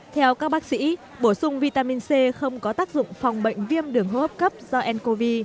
theo các bác sĩ bổ sung vitamin c không có tác dụng phòng bệnh viêm đường hô hấp cấp do ncov